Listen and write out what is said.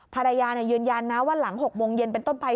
ภรรยาเนี่ยยืนยันนะว่าหลังหกโมงเย็นเป็นต้นไป